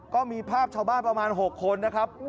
ก็มีภาพชาวบ้านประมาณ๖คนนะครับ